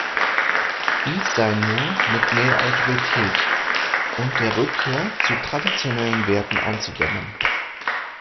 Dies sei nur mit mehr Autorität und der Rückkehr zu traditionellen Werten einzudämmen.